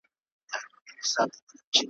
زه په دې ملنګه ورځ خسرو سمه قباد سمه ,